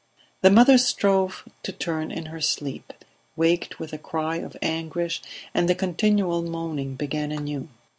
The mother strove to turn in her sleep, waked with a cry of anguish, and the continual moaning began anew.